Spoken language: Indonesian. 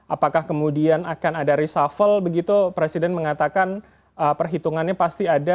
apakah kemudian akan ada reshuffle begitu presiden mengatakan perhitungannya pasti ada